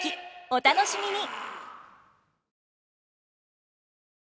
お楽しみに！